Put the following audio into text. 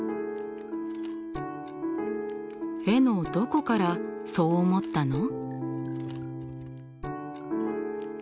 絵のどこからそう思ったの？